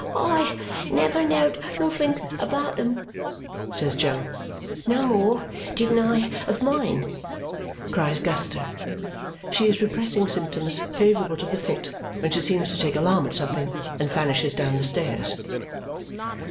"I never know'd nothink about 'em," says Jo. "No more didn't I of mine," cries Guster. She is repressing symptoms favourable to the fit when she seems to take alarm at something and vanishes down the stairs.